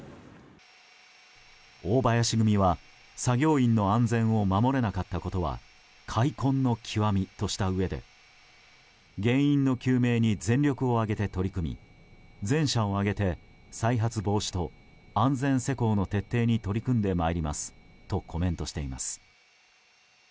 大林組は、作業員の安全を守れなかったことは悔恨の極みとしたうえで原因の究明に全力を挙げて取り組み全社を挙げて、再発防止と安全施工の徹底に取り組んでまいりますとコメントしています。